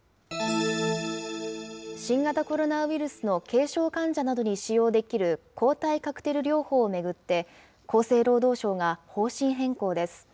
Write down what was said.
新型コロナウイルスの軽症患者などに使用できる抗体カクテル療法を巡って、厚生労働省が方針変更です。